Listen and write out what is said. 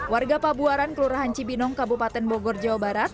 warga pabuaran kelurahan cibinong kabupaten bogor jawa barat